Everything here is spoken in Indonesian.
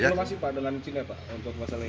ada diplomasi pak dengan cina pak untuk masalah ini